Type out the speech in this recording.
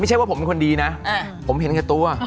ไม่ใช่ว่าผมเป็นคนดีนะผมเห็นแก่ตัว